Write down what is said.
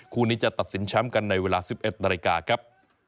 คู่นี้จะตัดสินแชมป์กันในเวลา๑๑นาฬิกาครับ